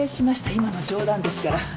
今の冗談ですから。